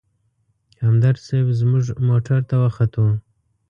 همدرد صیب زموږ موټر ته وختو.